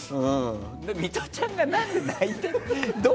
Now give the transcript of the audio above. ミトちゃんが何で泣いてるの。